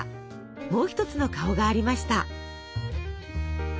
もう一つの顔がありました。